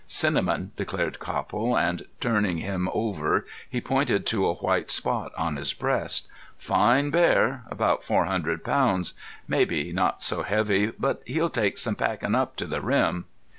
"Cinnamon," declared Copple, and turning him over he pointed to a white spot on his breast. "Fine bear. About four hundred pounds. Maybe not so heavy. But he'll take some packin' up to the rim!"